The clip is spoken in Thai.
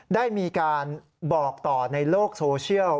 ได้มีการบอกต่อในโลกโซเชียล